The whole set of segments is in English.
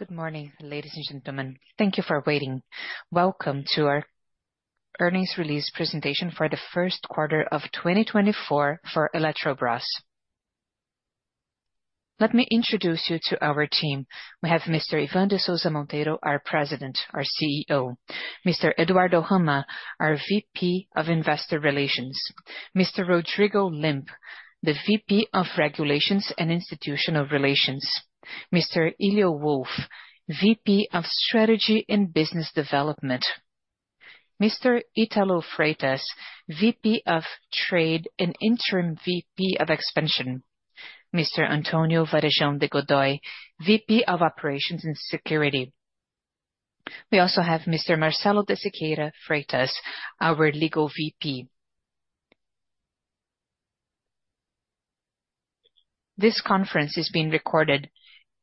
Good morning, ladies and gentlemen. Thank you for waiting. Welcome to our earnings release presentation for the first quarter of 2024 for Eletrobrás. Let me introduce you to our team. We have Mr. Ivan de Souza Monteiro, our president, our CEO, Mr. Eduardo Haiama, our VP of Investor Relations, Mr. Rodrigo Limp, the VP of Regulations and Institutional Relations, Mr. Elio Wolff, VP of Strategy and Business Development, Mr. Italo Freitas, VP of Trade and Interim VP of Expansion, Mr. Antonio Varejão de Godoy, VP of Operations and Security. We also have Mr. Marcelo de Siqueira Freitas, our legal VP. This conference is being recorded,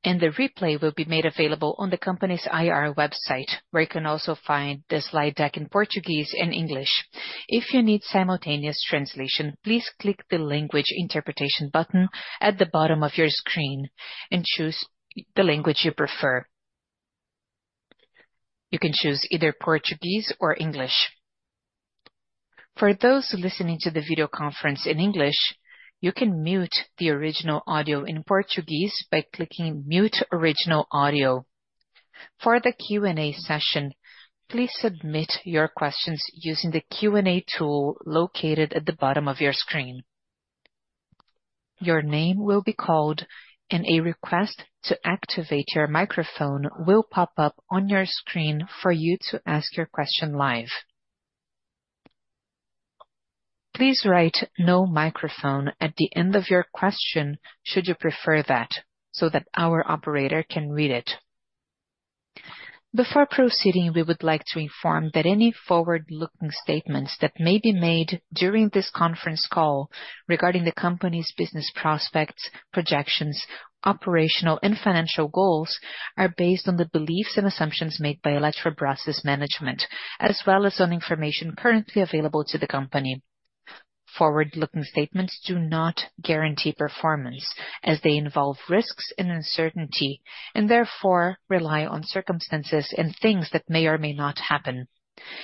and the replay will be made available on the company's IR website, where you can also find the slide deck in Portuguese and English. If you need simultaneous translation, please click the language interpretation button at the bottom of your screen and choose the language you prefer. You can choose either Portuguese or English. For those listening to the video conference in English, you can mute the original audio in Portuguese by clicking Mute Original Audio. For the Q&A session, please submit your questions using the Q&A tool located at the bottom of your screen. Your name will be called, and a request to activate your microphone will pop up on your screen for you to ask your question live. Please write "No microphone" at the end of your question should you prefer that, so that our operator can read it. Before proceeding, we would like to inform that any forward-looking statements that may be made during this conference call regarding the company's business prospects, projections, operational, and financial goals are based on the beliefs and assumptions made by Eletrobrás's management, as well as on information currently available to the company. Forward-looking statements do not guarantee performance, as they involve risks and uncertainty, and therefore rely on circumstances and things that may or may not happen.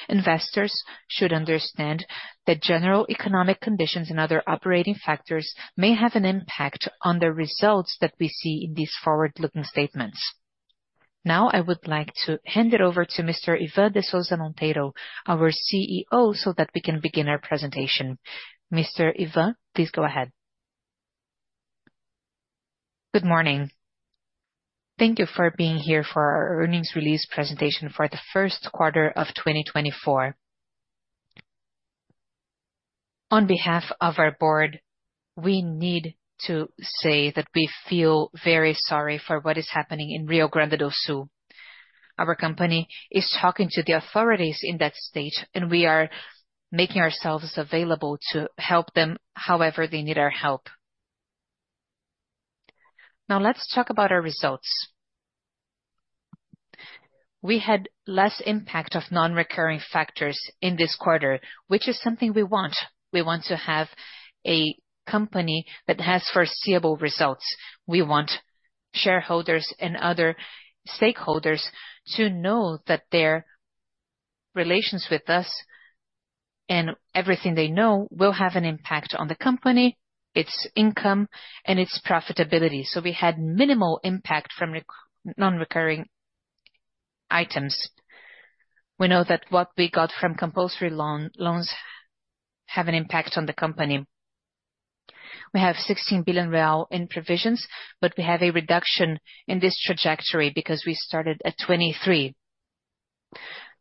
Investors should understand that general economic conditions and other operating factors may have an impact on the results that we see in these forward-looking statements. Now I would like to hand it over to Mr. Ivan de Souza Monteiro, our CEO, so that we can begin our presentation. Mr. Ivan, please go ahead. Good morning. Thank you for being here for our earnings release presentation for the first quarter of 2024. On behalf of our board, we need to say that we feel very sorry for what is happening in Rio Grande do Sul. Our company is talking to the authorities in that state, and we are making ourselves available to help them however they need our help. Now let's talk about our results. We had less impact of non-recurring factors in this quarter, which is something we want. We want to have a company that has foreseeable results. We want shareholders and other stakeholders to know that their relations with us and everything they know will have an impact on the company, its income, and its profitability, so we had minimal impact from non-recurring items. We know that what we got from compulsory loans have an impact on the company. We have 16 billion real in provisions, but we have a reduction in this trajectory because we started at 23 billion.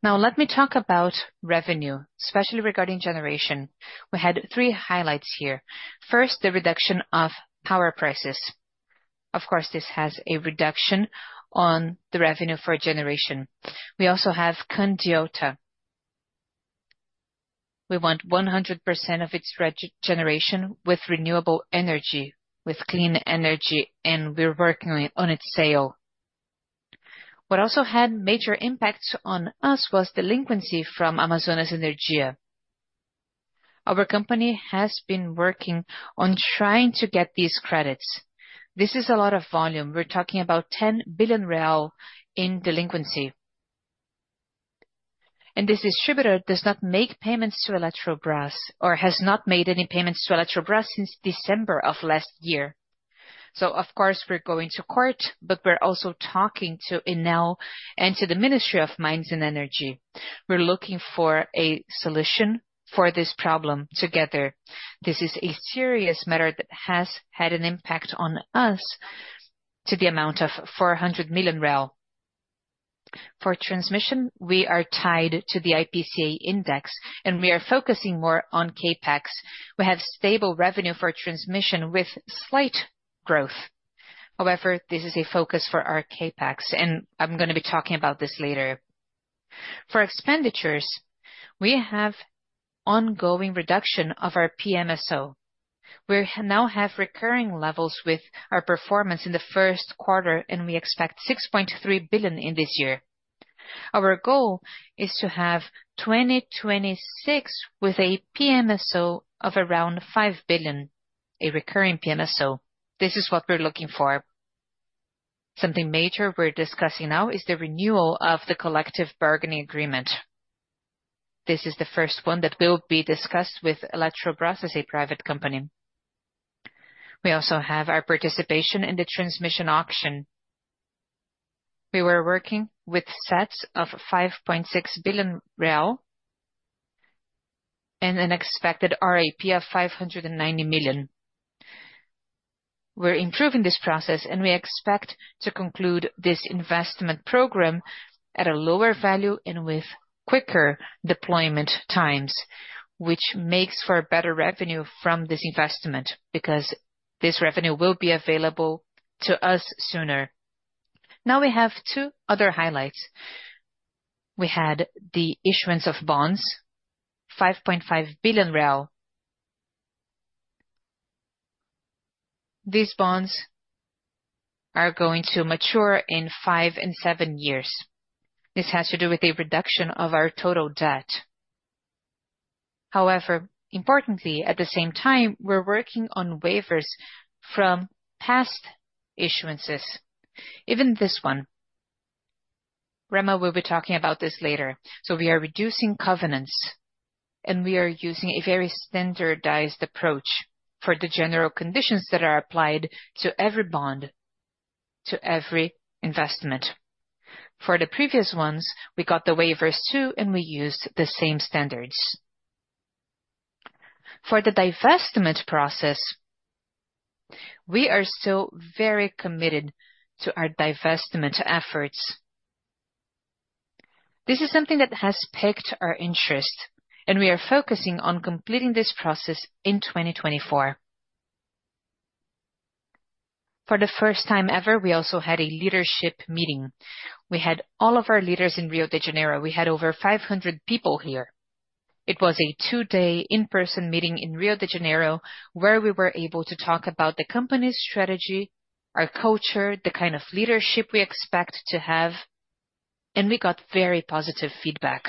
Now let me talk about revenue, especially regarding generation. We had three highlights here. First, the reduction of power prices. Of course, this has a reduction on the revenue for generation. We also have Candiota. We want 100% of its generation with renewable energy, with clean energy, and we're working on its sale. What also had major impacts on us was delinquency from Amazonas Energia. Our company has been working on trying to get these credits. This is a lot of volume. We're talking about 10 billion real in delinquency. This distributor does not make payments to Eletrobrás or has not made any payments to Eletrobrás since December of last year. So, of course, we're going to court, but we're also talking to ANEEL and to the Ministry of Mines and Energy. We're looking for a solution for this problem together. This is a serious matter that has had an impact on us to the amount of 400 million. For transmission, we are tied to the IPCA index, and we are focusing more on CapEx. We have stable revenue for transmission with slight growth. However, this is a focus for our CapEx, and I'm going to be talking about this later. For expenditures, we have ongoing reduction of our PMSO. We now have recurring levels with our performance in the first quarter, and we expect 6.3 billion in this year. Our goal is to have 2026 with a PMSO of around 5 billion, a recurring PMSO. This is what we're looking for. Something major we're discussing now is the renewal of the collective bargaining agreement. This is the first one that will be discussed with Eletrobrás as a private company. We also have our participation in the transmission auction. We were working with sets of 5.6 billion real and an expected RAP of 590 million. We're improving this process, and we expect to conclude this investment program at a lower value and with quicker deployment times, which makes for better revenue from this investment because this revenue will be available to us sooner. Now we have two other highlights. We had the issuance of bonds, BRL 5.5 billion. These bonds are going to mature in five and seven years. This has to do with a reduction of our total debt. However, importantly, at the same time, we're working on waivers from past issuances. Even this one. Haiama will be talking about this later. So we are reducing covenants, and we are using a very standardized approach for the general conditions that are applied to every bond, to every investment. For the previous ones, we got the waivers too, and we used the same standards. For the divestment process, we are still very committed to our divestment efforts. This is something that has piqued our interest, and we are focusing on completing this process in 2024. For the first time ever, we also had a leadership meeting. We had all of our leaders in Rio de Janeiro. We had over 500 people here. It was a two-day, in-person meeting in Rio de Janeiro where we were able to talk about the company's strategy, our culture, the kind of leadership we expect to have, and we got very positive feedback.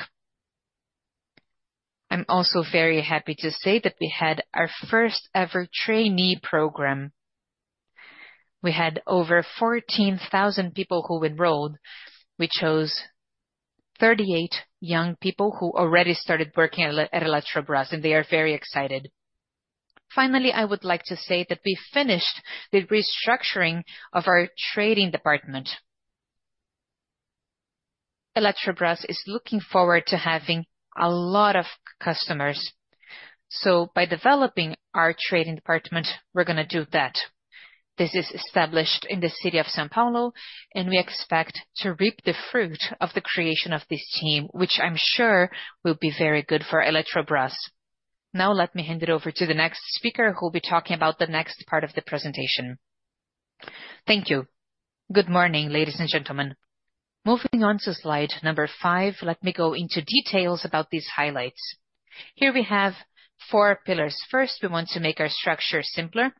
I'm also very happy to say that we had our first-ever trainee program. We had over 14,000 people who enrolled. We chose 38 young people who already started working at Eletrobrás, and they are very excited. Finally, I would like to say that we finished the restructuring of our trading department. Eletrobrás is looking forward to having a lot of customers. So by developing our trading department, we're going to do that. This is established in the city of São Paulo, and we expect to reap the fruit of the creation of this team, which I'm sure will be very good for Eletrobrás. Now let me hand it over to the next speaker who will be talking about the next part of the presentation. Thank you. Good morning, ladies and gentlemen. Moving on to slide number five, let me go into details about these highlights. Here we have four pillars. First, we want to make our structure simpler.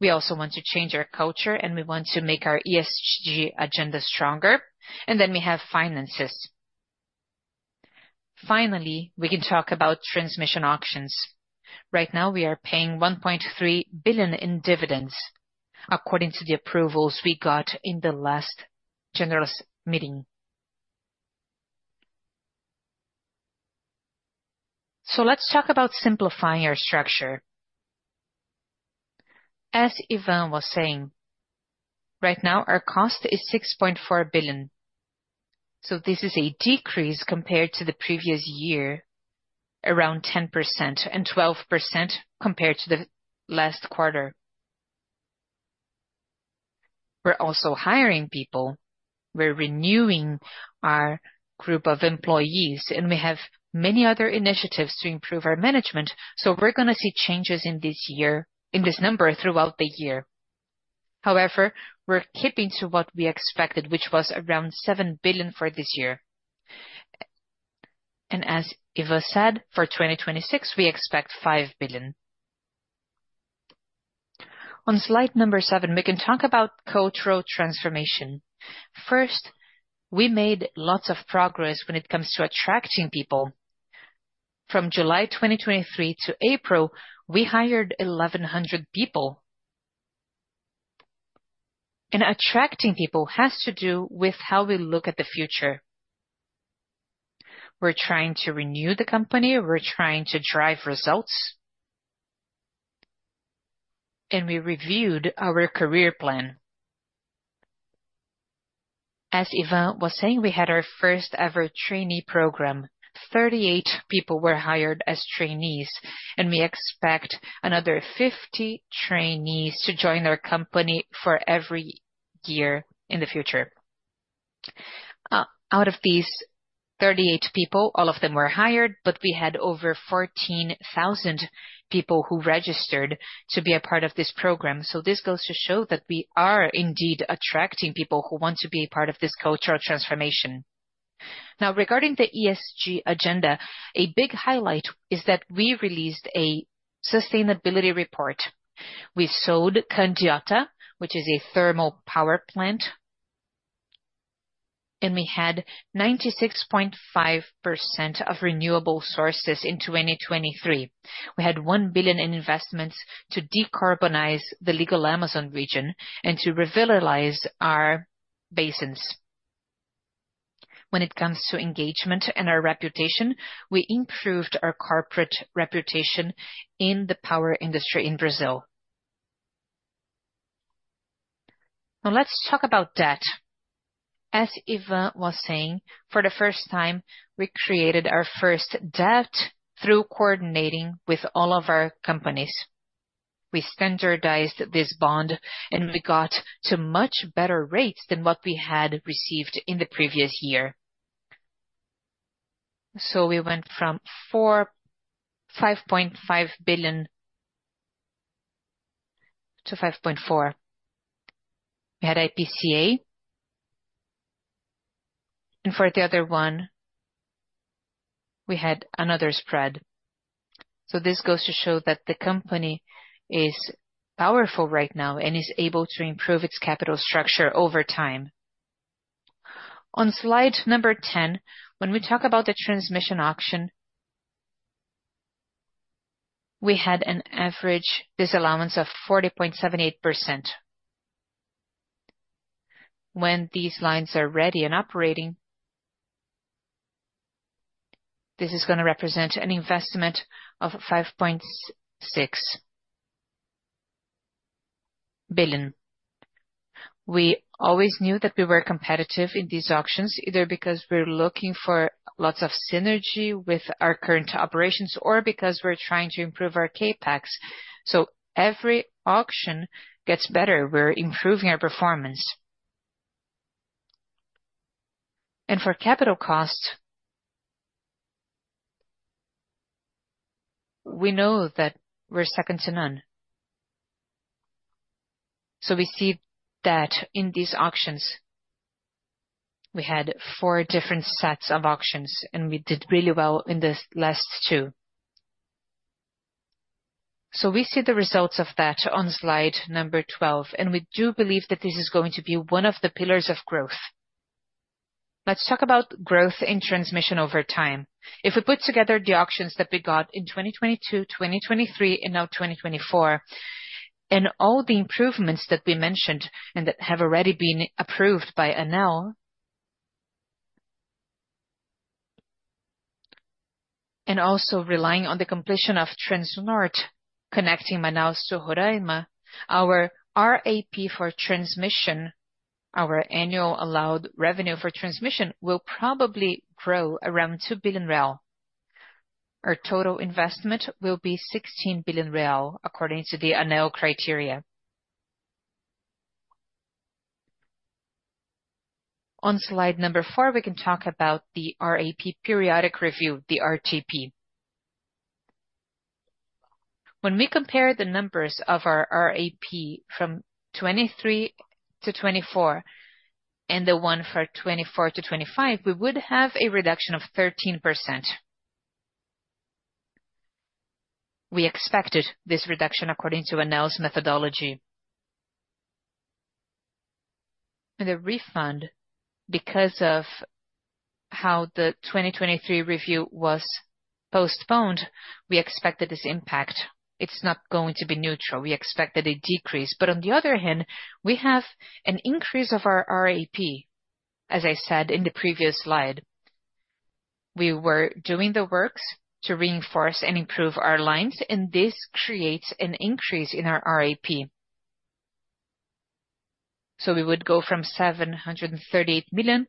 We also want to change our culture, and we want to make our ESG agenda stronger. And then we have finances. Finally, we can talk about transmission auctions. Right now, we are paying 1.3 billion in dividends, according to the approvals we got in the last general meeting. So let's talk about simplifying our structure. As Ivan was saying, right now our cost is 6.4 billion. So this is a decrease compared to the previous year, around 10%, and 12% compared to the last quarter. We're also hiring people. We're renewing our group of employees, and we have many other initiatives to improve our management, so we're going to see changes in this year in this number throughout the year. However, we're keeping to what we expected, which was around 7 billion for this year. And as Ivan said, for 2026, we expect 5 billion. On slide number 7, we can talk about cultural transformation. First, we made lots of progress when it comes to attracting people. From July 2023 to April, we hired 1,100 people. Attracting people has to do with how we look at the future. We're trying to renew the company. We're trying to drive results. We reviewed our career plan. As Ivan was saying, we had our first-ever trainee program. 38 people were hired as trainees, and we expect another 50 trainees to join our company for every year in the future. Out of these 38 people, all of them were hired, but we had over 14,000 people who registered to be a part of this program, so this goes to show that we are indeed attracting people who want to be a part of this cultural transformation. Now, regarding the ESG agenda, a big highlight is that we released a sustainability report. We sold Candiota, which is a thermal power plant. We had 96.5% of renewable sources in 2023. We had 1 billion in investments to decarbonize the legal Amazon region and to revitalize our basins. When it comes to engagement and our reputation, we improved our corporate reputation in the power industry in Brazil. Now let's talk about debt. As Ivan was saying, for the first time, we created our first debt through coordinating with all of our companies. We standardized this bond, and we got to much better rates than what we had received in the previous year. So we went from 5.5 billion-5.4 billion. We had IPCA. And for the other one, we had another spread. So this goes to show that the company is powerful right now and is able to improve its capital structure over time. On slide number 10, when we talk about the transmission auction, we had an average disallowance of 40.78%. When these lines are ready and operating, this is going to represent an investment of 5.6 billion. We always knew that we were competitive in these auctions, either because we're looking for lots of synergy with our current operations or because we're trying to improve our CapEx. So every auction gets better. We're improving our performance. And for capital costs, we know that we're second to none. So we see that in these auctions, we had four different sets of auctions, and we did really well in the last two. So we see the results of that on slide number 12, and we do believe that this is going to be one of the pillars of growth. Let's talk about growth in transmission over time. If we put together the auctions that we got in 2022, 2023, and now 2024, and all the improvements that we mentioned and that have already been approved by ANEEL, and also relying on the completion of Transnorte connecting Manaus to Roraima, our RAP for transmission, our annual allowed revenue for transmission, will probably grow around 2 billion real. Our total investment will be 16 billion real, according to the ANEEL criteria. On slide number 4, we can talk about the RAP periodic review, the RTP. When we compare the numbers of our RAP from 2023 to 2024 and the one for 2024 to 2025, we would have a reduction of 13%. We expected this reduction according to ANEEL's methodology. And the refund, because of how the 2023 review was postponed, we expected this impact. It's not going to be neutral. We expected a decrease. But on the other hand, we have an increase of our RAP, as I said in the previous slide. We were doing the works to reinforce and improve our lines, and this creates an increase in our RAP. So we would go from 738 million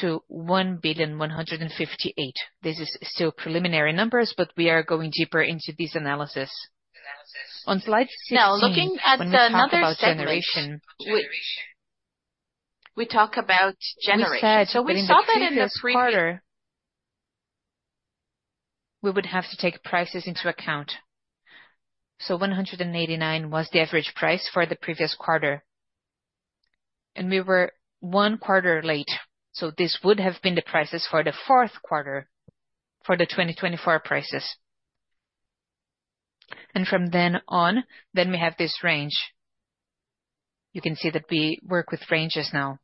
to 1,158 million. This is still preliminary numbers, but we are going deeper into this analysis. On slide 16, we talk about generation. We talk about generation. So we saw that in the previous quarter. We would have to take prices into account. So 189 million was the average price for the previous quarter. And we were one quarter late. This would have been the prices for the fourth quarter for the 2024 prices. From then on, then we have this range. You can see that we work with ranges now.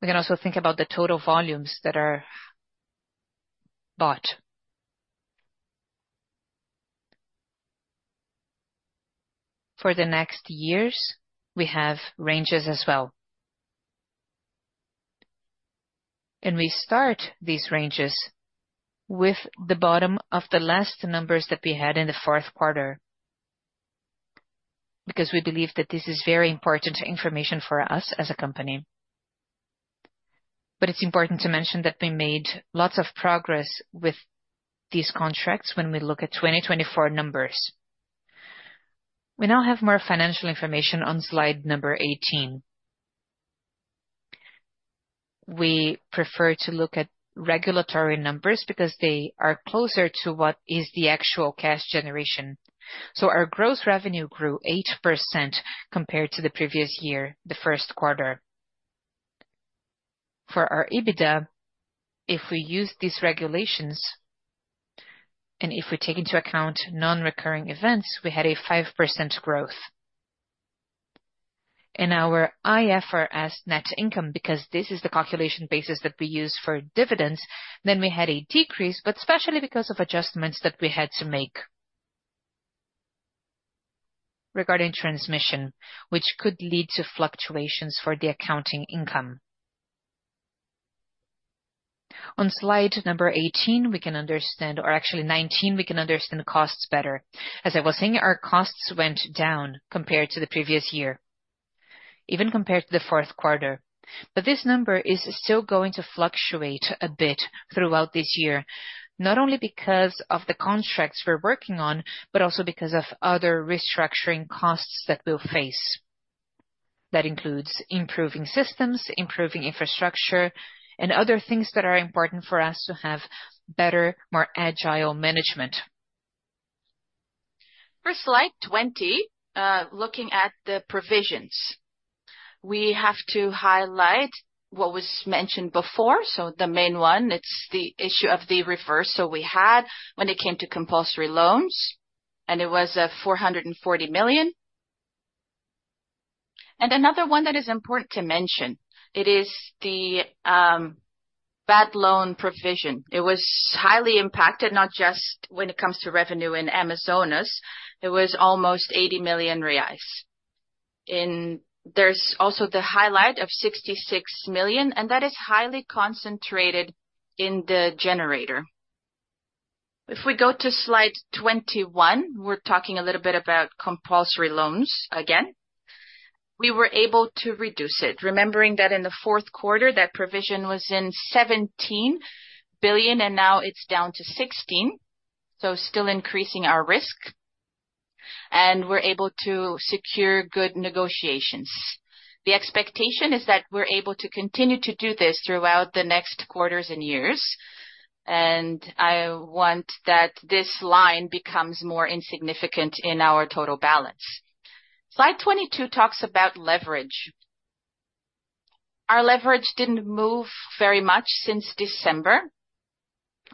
We can also think about the total volumes that are bought. For the next years, we have ranges as well. We start these ranges with the bottom of the last numbers that we had in the fourth quarter because we believe that this is very important information for us as a company. It's important to mention that we made lots of progress with these contracts when we look at 2024 numbers. We now have more financial information on slide number 18. We prefer to look at regulatory numbers because they are closer to what is the actual cash generation. Our gross revenue grew 8% compared to the previous year, the first quarter. For our EBITDA, if we use these regulations and if we take into account non-recurring events, we had a 5% growth. In our IFRS net income, because this is the calculation basis that we use for dividends, then we had a decrease, but especially because of adjustments that we had to make regarding transmission, which could lead to fluctuations for the accounting income. On slide number 18, we can understand or actually 19, we can understand costs better. As I was saying, our costs went down compared to the previous year, even compared to the fourth quarter. But this number is still going to fluctuate a bit throughout this year, not only because of the contracts we're working on, but also because of other restructuring costs that we'll face. That includes improving systems, improving infrastructure, and other things that are important for us to have better, more agile management. For slide 20, looking at the provisions, we have to highlight what was mentioned before, so the main one. It's the issue of the reversal that we had when it came to compulsory loans, and it was 440 million. Another one that is important to mention, it is the bad loan provision. It was highly impacted, not just when it comes to revenue in Amazonas. It was almost 80 million reais. There's also the highlight of 66 million, and that is highly concentrated in the generator. If we go to slide 21, we're talking a little bit about compulsory loans again. We were able to reduce it, remembering that in the fourth quarter, that provision was in 17 billion, and now it's down to 16 billion. So still increasing our risk. We're able to secure good negotiations. The expectation is that we're able to continue to do this throughout the next quarters and years. I want that this line becomes more insignificant in our total balance. Slide 22 talks about leverage. Our leverage didn't move very much since December,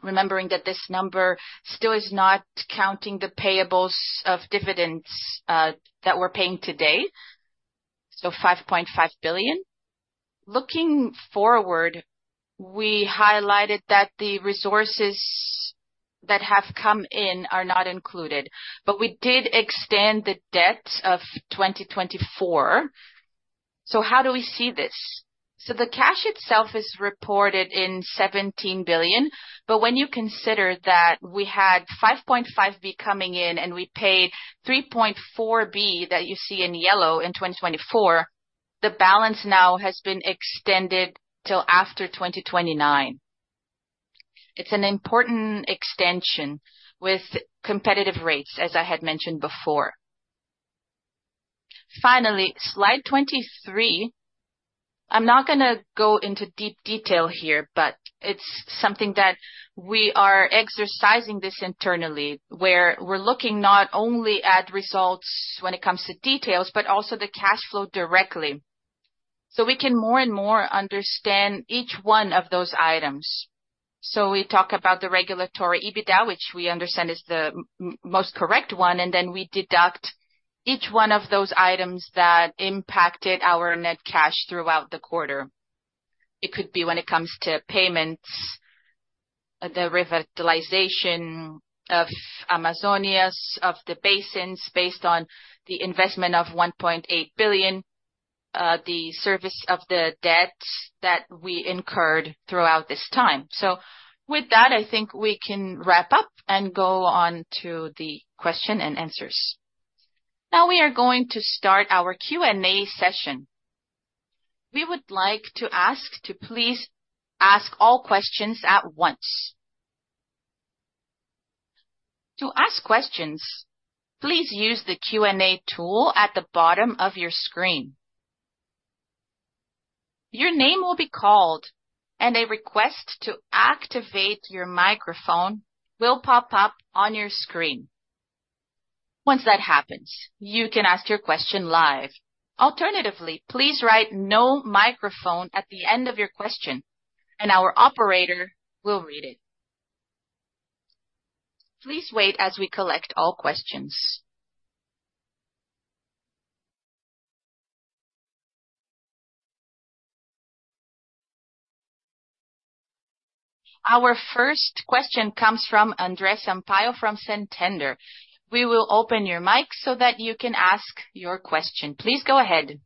remembering that this number still is not counting the payables of dividends that we're paying today, so 5.5 billion. Looking forward, we highlighted that the resources that have come in are not included. We did extend the debt of 2024. How do we see this? The cash itself is reported in 17 billion, but when you consider that we had 5.5 billion coming in and we paid 3.4 billion that you see in yellow in 2024, the balance now has been extended till after 2029. It's an important extension with competitive rates, as I had mentioned before. Finally, slide 23, I'm not going to go into deep detail here, but it's something that we are exercising this internally, where we're looking not only at results when it comes to details, but also the cash flow directly. So we can more and more understand each one of those items. So we talk about the regulatory EBITDA, which we understand is the most correct one, and then we deduct each one of those items that impacted our net cash throughout the quarter. It could be when it comes to payments, the revitalization of Amazônia, of the basins based on the investment of 1.8 billion, the service of the debt that we incurred throughout this time. So with that, I think we can wrap up and go on to the question and answers. Now we are going to start our Q&A session. We would like to ask to please ask all questions at once. To ask questions, please use the Q&A tool at the bottom of your screen. Your name will be called, and a request to activate your microphone will pop up on your screen. Once that happens, you can ask your question live. Alternatively, please write "no microphone" at the end of your question, and our operator will read it. Please wait as we collect all questions. Our first question comes from André Sampaio from Santander. We will open your mic so that you can ask your question. Please go ahead.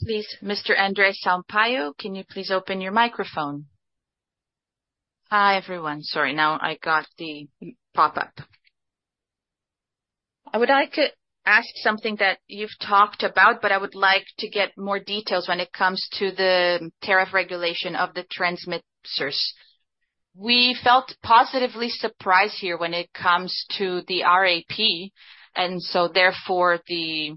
Please, Mr. André Sampaio, can you please open your microphone? Hi everyone. Sorry, now I got the pop-up. I would like to ask something that you've talked about, but I would like to get more details when it comes to the tariff regulation of the transmitters. We felt positively surprised here when it comes to the RAP, and so therefore the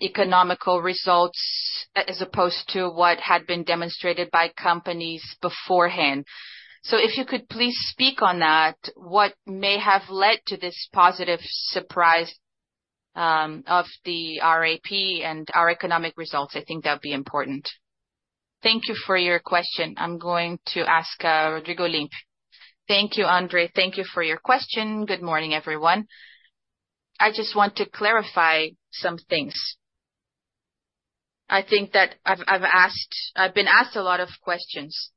economic results as opposed to what had been demonstrated by companies beforehand. So if you could please speak on that, what may have led to this positive surprise of the RAP and our economic results, I think that would be important. Thank you for your question. I'm going to ask Rodrigo Limp. Thank you, André. Thank you for your question. Good morning, everyone. I just want to clarify some things. I think that I've been asked a lot of questions.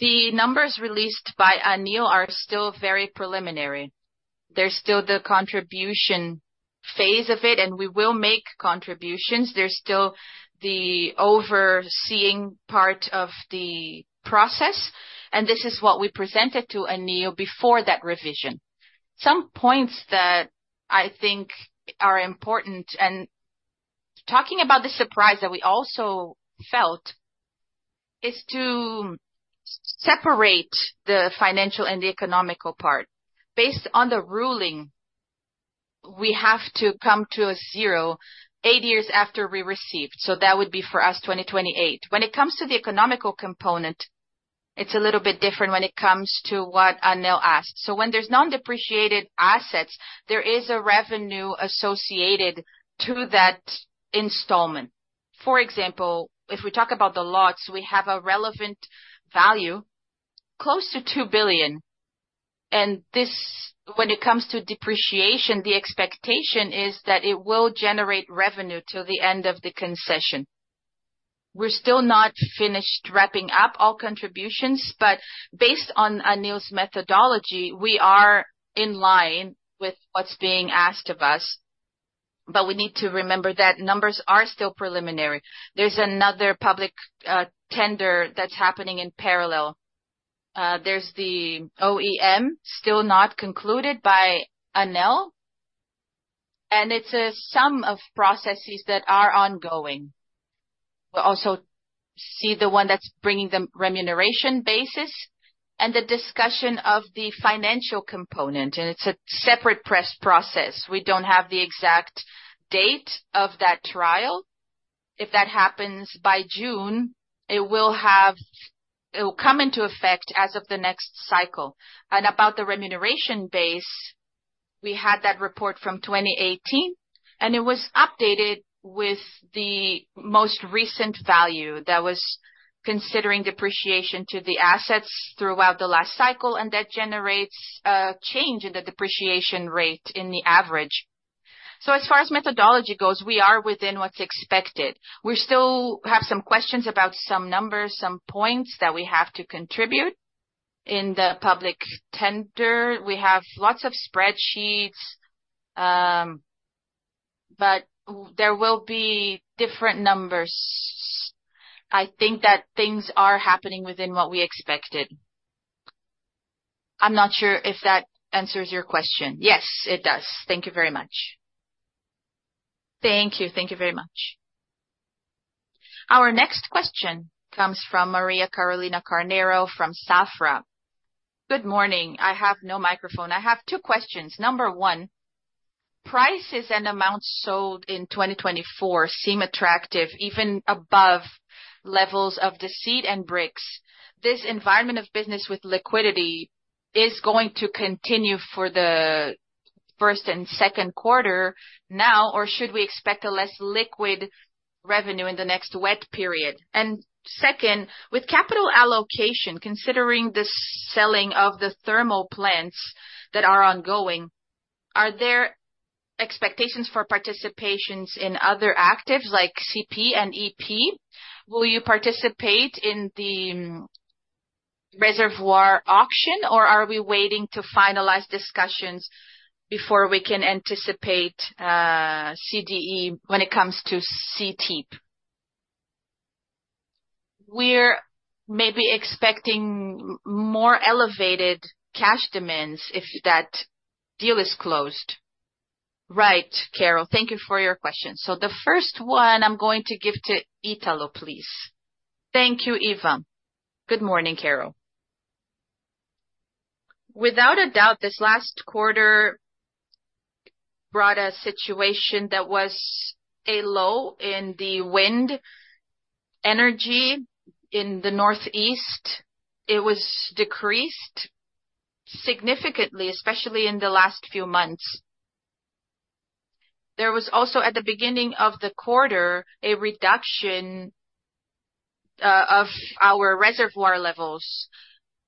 The numbers released by ANEEL are still very preliminary. There's still the contribution phase of it, and we will make contributions. There's still the overseeing part of the process, and this is what we presented to ANEEL before that revision. Some points that I think are important and talking about the surprise that we also felt is to separate the financial and the economical part. Based on the ruling, we have to come to a 08 years after we received. So that would be for us 2028. When it comes to the economical component, it's a little bit different when it comes to what ANEEL asked. So when there's non-depreciated assets, there is a revenue associated to that installment. For example, if we talk about the lots, we have a relevant value close to 2 billion. And when it comes to depreciation, the expectation is that it will generate revenue till the end of the concession. We're still not finished wrapping up all contributions, but based on ANEEL's methodology, we are in line with what's being asked of us. But we need to remember that numbers are still preliminary. There's another public tender that's happening in parallel. There's the O&M, still not concluded by ANEEL. It's a sum of processes that are ongoing. We also see the one that's bringing the remuneration basis and the discussion of the financial component. It's a separate press process. We don't have the exact date of that trial. If that happens by June, it will come into effect as of the next cycle. About the remuneration base, we had that report from 2018, and it was updated with the most recent value that was considering depreciation to the assets throughout the last cycle, and that generates a change in the depreciation rate in the average. So as far as methodology goes, we are within what's expected. We still have some questions about some numbers, some points that we have to contribute. In the public tender, we have lots of spreadsheets, but there will be different numbers. I think that things are happening within what we expected. I'm not sure if that answers your question. Yes, it does. Thank you very much. Thank you. Thank you very much. Our next question comes from Maria Carolina Carneiro from Safra. Good morning. I have no microphone. I have two questions. Number one, prices and amounts sold in 2024 seem attractive, even above levels of the seed and bricks. This environment of business with liquidity is going to continue for the first and second quarter now, or should we expect a less liquid revenue in the next wet period? Second, with capital allocation, considering the selling of the thermal plants that are ongoing, are there expectations for participations in other assets like CP and EP? Will you participate in the reservoir auction, or are we waiting to finalize discussions before we can anticipate CDE when it comes to CTEEP? We're maybe expecting more elevated cash demands if that deal is closed. Right, Carol. Thank you for your question. So the first one, I'm going to give to Italo, please. Thank you, Ivan. Good morning, Carol. Without a doubt, this last quarter brought a situation that was a low in the wind energy in the northeast. It was decreased significantly, especially in the last few months. There was also, at the beginning of the quarter, a reduction of our reservoir levels.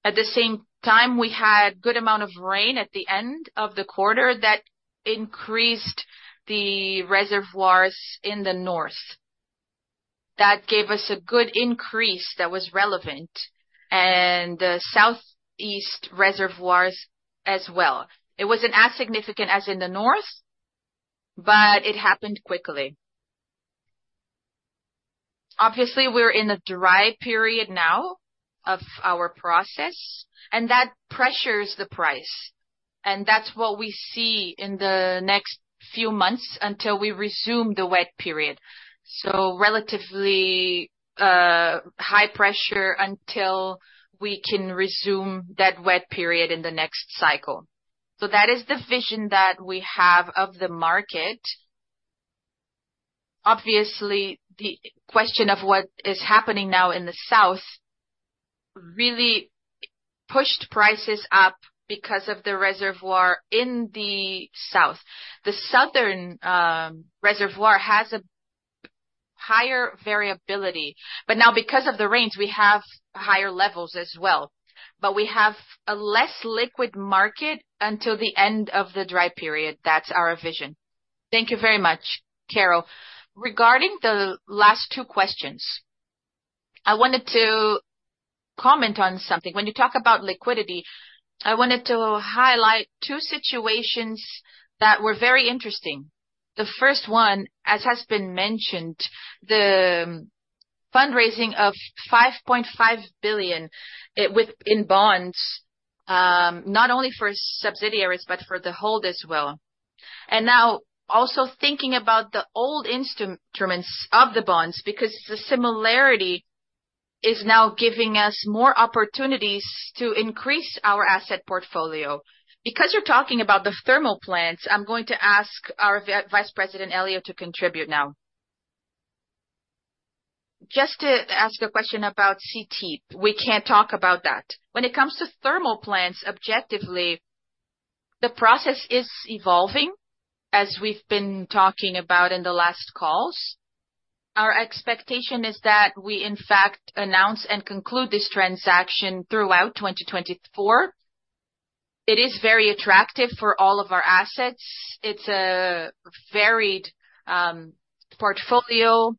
At the same time, we had a good amount of rain at the end of the quarter that increased the reservoirs in the north. That gave us a good increase that was relevant and the southeast reservoirs as well. It wasn't as significant as in the north, but it happened quickly. Obviously, we're in a dry period now of our process, and that pressures the price. And that's what we see in the next few months until we resume the wet period. So relatively high pressure until we can resume that wet period in the next cycle. So that is the vision that we have of the market. Obviously, the question of what is happening now in the south really pushed prices up because of the reservoir in the south. The southern reservoir has a higher variability. But now, because of the rains, we have higher levels as well. But we have a less liquid market until the end of the dry period. That's our vision. Thank you very much, Carol. Regarding the last two questions, I wanted to comment on something. When you talk about liquidity, I wanted to highlight two situations that were very interesting. The first one, as has been mentioned, the fundraising of 5.5 billion in bonds, not only for subsidiaries but for the hold as well. And now also thinking about the old instruments of the bonds because the similarity is now giving us more opportunities to increase our asset portfolio. Because you're talking about the thermal plants, I'm going to ask our Vice President Elio to contribute now. Just to ask a question about CTEEP. We can't talk about that. When it comes to thermal plants, objectively, the process is evolving as we've been talking about in the last calls. Our expectation is that we, in fact, announce and conclude this transaction throughout 2024. It is very attractive for all of our assets. It's a varied portfolio.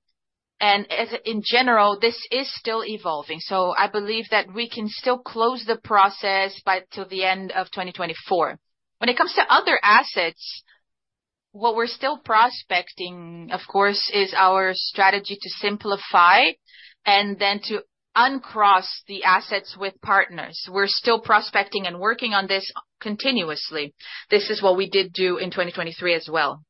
In general, this is still evolving. I believe that we can still close the process till the end of 2024. When it comes to other assets, what we're still prospecting, of course, is our strategy to simplify and then to uncross the assets with partners. We're still prospecting and working on this continuously. This is what we did do in 2023 as well.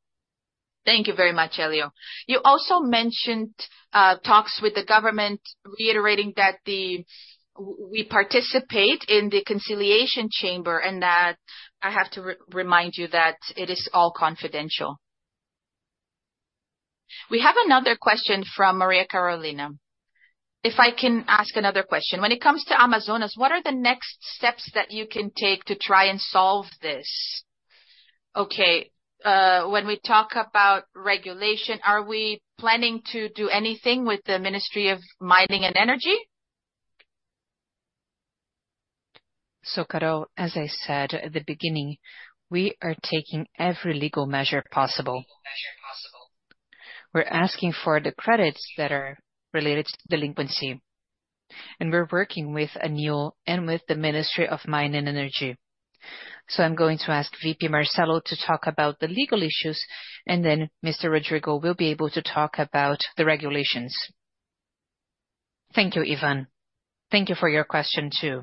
Thank you very much, Elio. You also mentioned talks with the government reiterating that we participate in the conciliation chamber and that I have to remind you that it is all confidential. We have another question from Maria Carolina. If I can ask another question. When it comes to Amazonas, what are the next steps that you can take to try and solve this? Okay. When we talk about regulation, are we planning to do anything with the Ministry of Mining and Energy? So, Carol, as I said at the beginning, we are taking every legal measure possible. We're asking for the credits that are related to delinquency. And we're working with ANEEL and with the Ministry of Mining and Energy. So I'm going to ask VP Marcelo to talk about the legal issues, and then Mr. Rodrigo will be able to talk about the regulations. Thank you, Ivan. Thank you for your question too.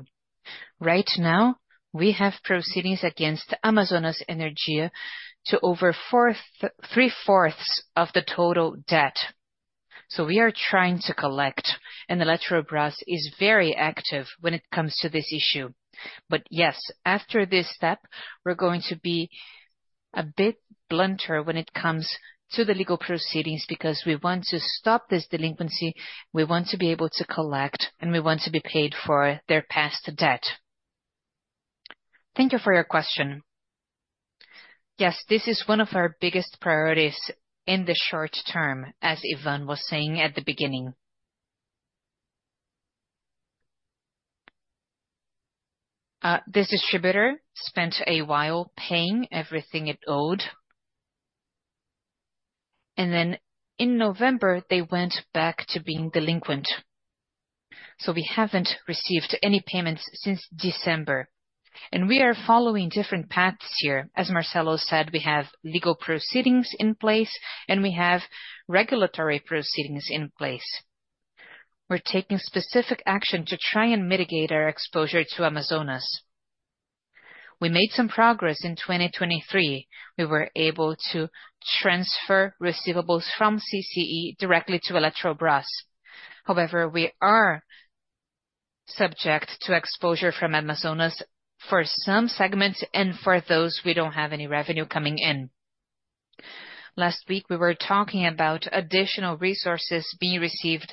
Right now, we have proceedings against Amazonas Energia to over three-fourths of the total debt. So we are trying to collect. And Eletrobrás is very active when it comes to this issue. But yes, after this step, we're going to be a bit blunter when it comes to the legal proceedings because we want to stop this delinquency, we want to be able to collect, and we want to be paid for their past debt. Thank you for your question. Yes, this is one of our biggest priorities in the short term, as Ivan was saying at the beginning. This distributor spent a while paying everything it owed. Then in November, they went back to being delinquent. We haven't received any payments since December. We are following different paths here. As Marcelo said, we have legal proceedings in place, and we have regulatory proceedings in place. We're taking specific action to try and mitigate our exposure to Amazonas. We made some progress in 2023. We were able to transfer receivables from CCEE directly to Eletrobrás. However, we are subject to exposure from Amazonas for some segments and for those we don't have any revenue coming in. Last week, we were talking about additional resources being received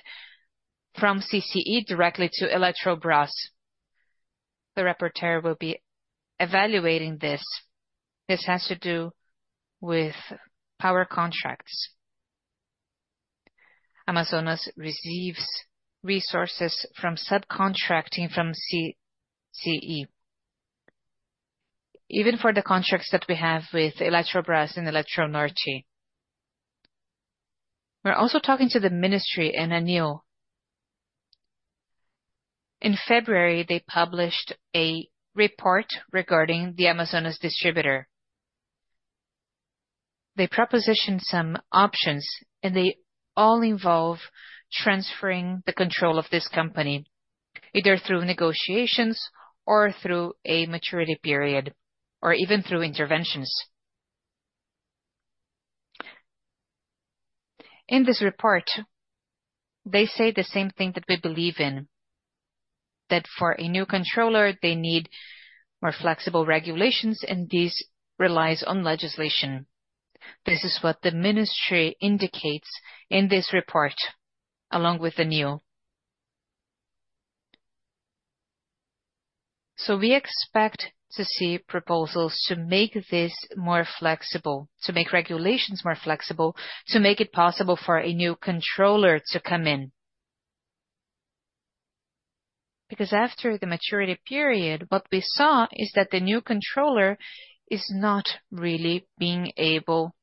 from CCEE directly to Eletrobrás. The reporter will be evaluating this. This has to do with power contracts. Amazonas receives resources from subcontracting from CCEE, even for the contracts that we have with Eletrobrás and Eletronorte. We're also talking to the Ministry and ANEEL. In February, they published a report regarding the Amazonas distributor. They proposed some options, and they all involve transferring the control of this company, either through negotiations or through a maturity period, or even through interventions. In this report, they say the same thing that we believe in, that for a new controller, they need more flexible regulations, and these rely on legislation. This is what the Ministry indicates in this report along with ANEEL. So we expect to see proposals to make this more flexible, to make regulations more flexible, to make it possible for a new controller to come in. Because after the maturity period, what we saw is that the new controller is not really able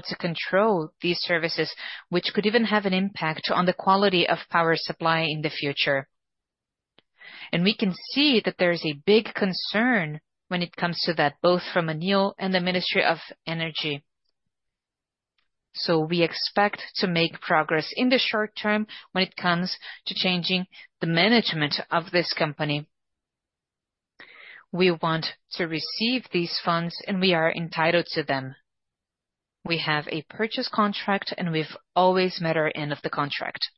to control these services, which could even have an impact on the quality of power supply in the future. And we can see that there's a big concern when it comes to that, both from ANEEL and the Ministry of Energy. So we expect to make progress in the short term when it comes to changing the management of this company. We want to receive these funds, and we are entitled to them. We have a purchase contract, and we've always met our end of the contract.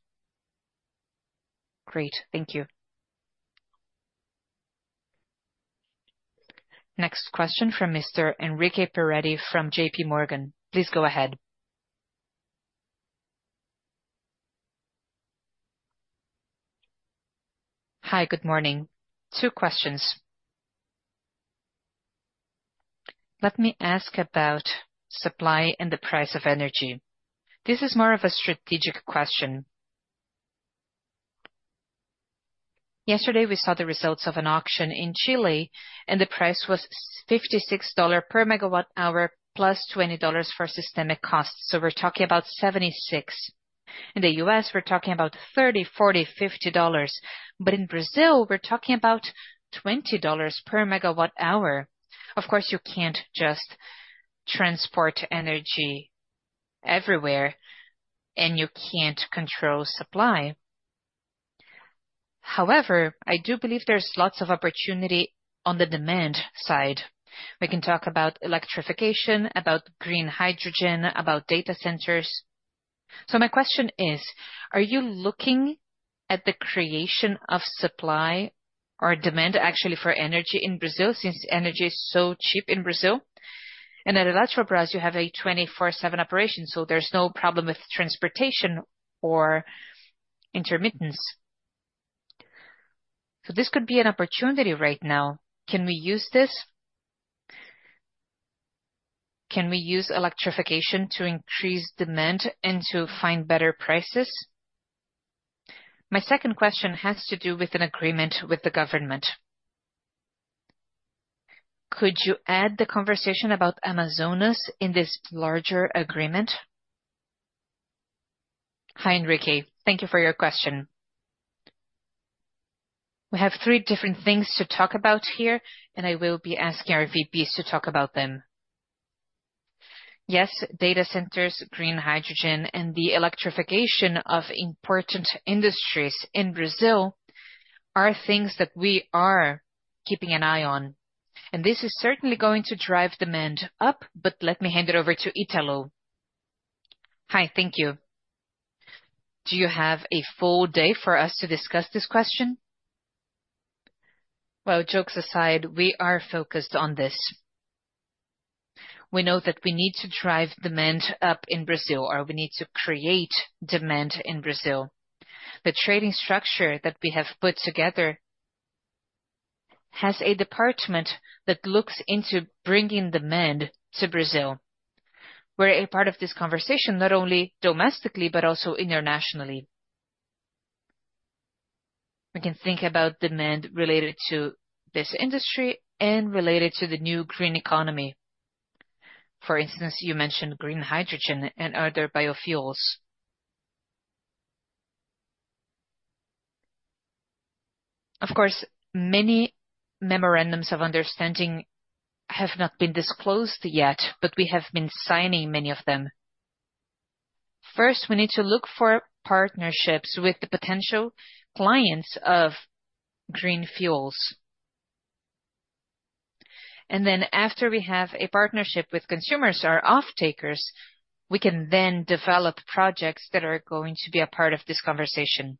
Great. Thank you. Next question from Mr. Henrique Peretti from JPMorgan. Please go ahead. Hi, good morning. Two questions. Let me ask about supply and the price of energy. This is more of a strategic question. Yesterday, we saw the results of an auction in Chile, and the price was $56 per MWh plus $20 for systemic costs. So we're talking about $76. In the US, we're talking about $30, $40, $50, but in Brazil, we're talking about $20 per MWh. Of course, you can't just transport energy everywhere, and you can't control supply. However, I do believe there's lots of opportunity on the demand side. We can talk about electrification, about green hydrogen, about data centers. So my question is, are you looking at the creation of supply or demand, actually, for energy in Brazil since energy is so cheap in Brazil? At Eletrobrás, you have a 24/7 operation, so there's no problem with transportation or intermittency. So this could be an opportunity right now. Can we use this? Can we use electrification to increase demand and to find better prices? My second question has to do with an agreement with the government. Could you add the conversation about Amazonas in this larger agreement? Hi, Enrique. Thank you for your question. We have three different things to talk about here, and I will be asking our VPs to talk about them. Yes, data centers, green hydrogen, and the electrification of important industries in Brazil are things that we are keeping an eye on. And this is certainly going to drive demand up, but let me hand it over to Italo. Hi, thank you. Do you have a full day for us to discuss this question? Well, jokes aside, we are focused on this. We know that we need to drive demand up in Brazil, or we need to create demand in Brazil. The trading structure that we have put together has a department that looks into bringing demand to Brazil. We're a part of this conversation not only domestically but also internationally. We can think about demand related to this industry and related to the new green economy. For instance, you mentioned green hydrogen and other biofuels. Of course, many memorandums of understanding have not been disclosed yet, but we have been signing many of them. First, we need to look for partnerships with the potential clients of green fuels. And then after we have a partnership with consumers, our off-takers, we can then develop projects that are going to be a part of this conversation.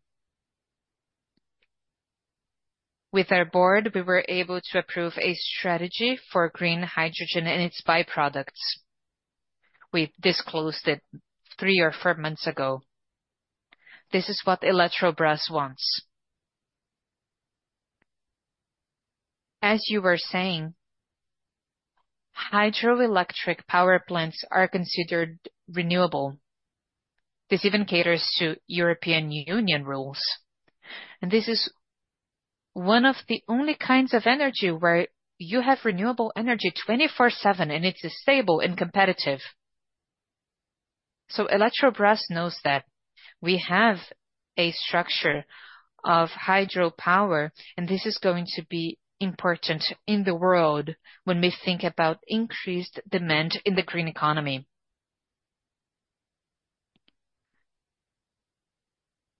With our board, we were able to approve a strategy for green hydrogen and its byproducts. We disclosed it three or four months ago. This is what Eletrobrás wants. As you were saying, hydroelectric power plants are considered renewable. This even caters to European Union rules. This is one of the only kinds of energy where you have renewable energy 24/7, and it's stable and competitive. Eletrobrás knows that. We have a structure of hydropower, and this is going to be important in the world when we think about increased demand in the green economy.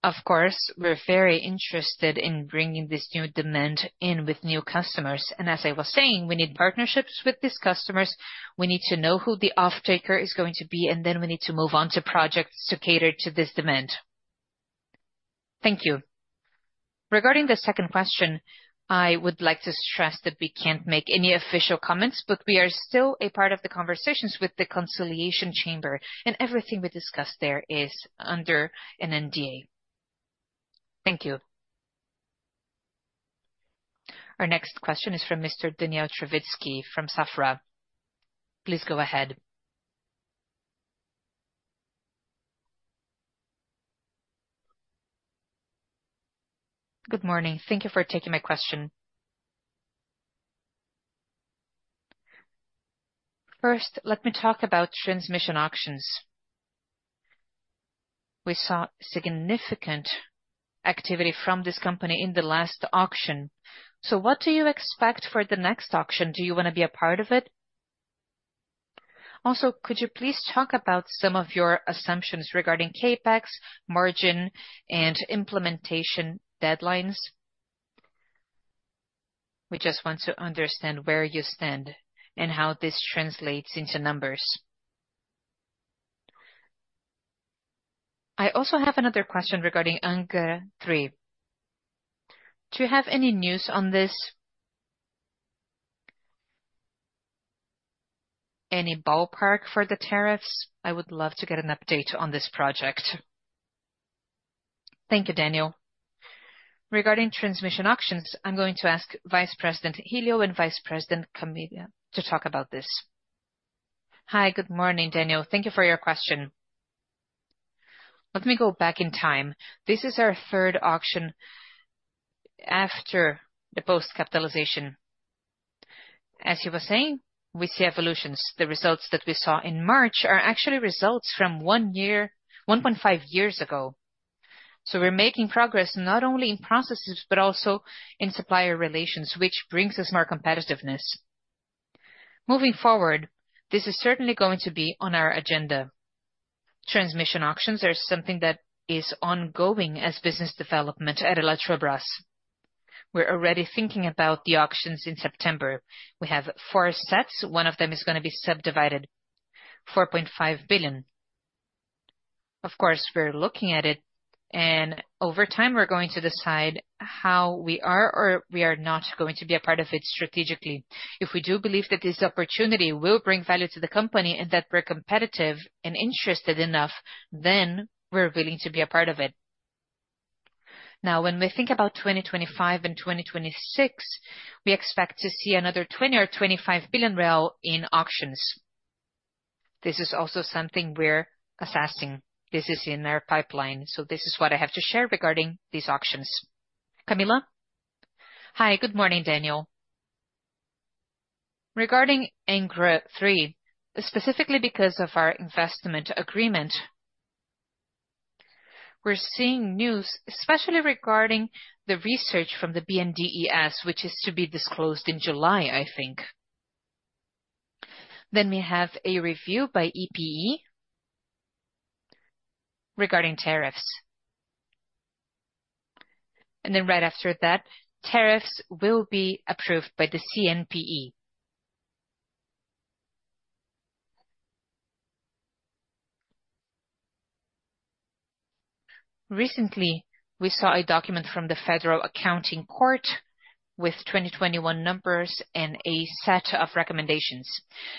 Of course, we're very interested in bringing this new demand in with new customers. As I was saying, we need partnerships with these customers. We need to know who the off-taker is going to be, and then we need to move on to projects to cater to this demand. Thank you. Regarding the second question, I would like to stress that we can't make any official comments, but we are still a part of the conversations with the conciliation chamber, and everything we discuss there is under an NDA. Thank you. Our next question is from Mr. Daniel Travitzky from Safra. Please go ahead. Good morning. Thank you for taking my question. First, let me talk about transmission auctions. We saw significant activity from this company in the last auction. So what do you expect for the next auction? Do you want to be a part of it? Also, could you please talk about some of your assumptions regarding CapEx, margin, and implementation deadlines? We just want to understand where you stand and how this translates into numbers. I also have another question regarding Angra 3. Do you have any news on this? Any ballpark for the tariffs? I would love to get an update on this project. Thank you, Daniel. Regarding transmission auctions, I'm going to ask Vice President Elio and Vice President Camila to talk about this. Hi, good morning, Daniel. Thank you for your question. Let me go back in time. This is our third auction after the post-capitalization. As you were saying, we see evolutions. The results that we saw in March are actually results from 1 year 1.5 years ago. So we're making progress not only in processes but also in supplier relations, which brings us more competitiveness. Moving forward, this is certainly going to be on our agenda. Transmission auctions are something that is ongoing as business development at Eletrobras. We're already thinking about the auctions in September. We have four sets. One of them is going to be subdivided: $4.5 billion. Of course, we're looking at it, and over time, we're going to decide how we are or we are not going to be a part of it strategically. If we do believe that this opportunity will bring value to the company and that we're competitive and interested enough, then we're willing to be a part of it. Now, when we think about 2025 and 2026, we expect to see another $20 or $25 billion in auctions. This is also something we're assessing. This is in our pipeline. So this is what I have to share regarding these auctions. Camila? Hi, good morning, Daniel. Regarding Angra 3, specifically because of our investment agreement, we're seeing news, especially regarding the research from the BNDES, which is to be disclosed in July, I think. Then we have a review by EPE regarding tariffs. Then right after that, tariffs will be approved by the CNPE. Recently, we saw a document from the Federal Accounting Court with 2021 numbers and a set of recommendations.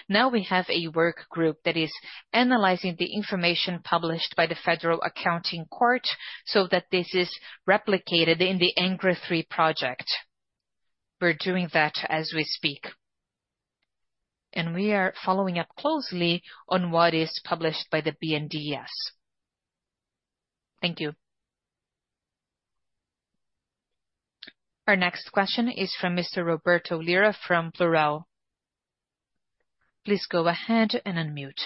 Now we have a workgroup that is analyzing the information published by the Federal Accounting Court so that this is replicated in the Angra 3 project. We're doing that as we speak. We are following up closely on what is published by the BNDES. Thank you. Our next question is from Mr. Roberto Lira from Plural. Please go ahead and unmute.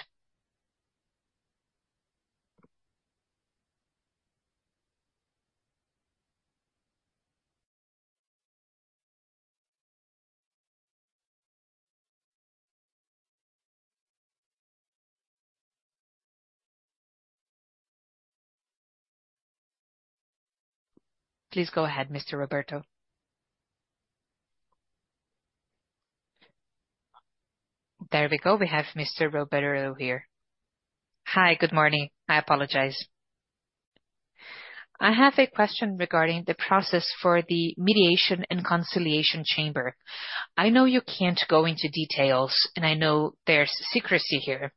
Please go ahead, Mr. Roberto. There we go. We have Mr. Roberto here. Hi, good morning. I apologize. I have a question regarding the process for the mediation and conciliation chamber. I know you can't go into details, and I know there's secrecy here.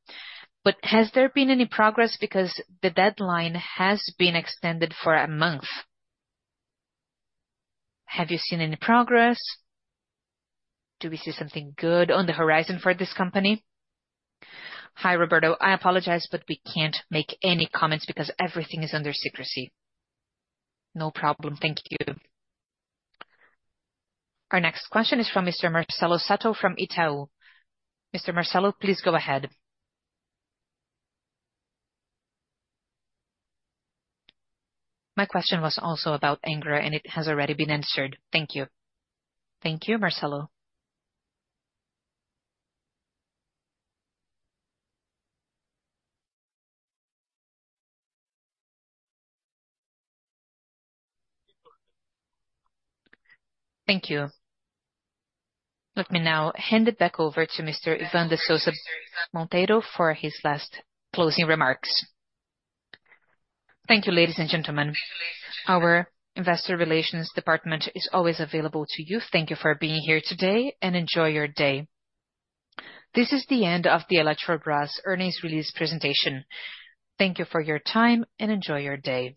But has there been any progress because the deadline has been extended for a month? Have you seen any progress? Do we see something good on the horizon for this company? Hi, Roberto. I apologize, but we can't make any comments because everything is under secrecy. No problem. Thank you. Our next question is from Mr. Marcelo Sato from Itaú. Mr. Marcelo, please go ahead. My question was also about Angra, and it has already been answered. Thank you. Thank you, Marcelo. Thank you. Let me now hand it back over to Mr. Ivan de Souza Monteiro for his last closing remarks. Thank you, ladies and gentlemen. Our investor relations department is always available to you. Thank you for being here today, and enjoy your day. This is the end of the Eletrobrás earnings release presentation. Thank you for your time, and enjoy your day.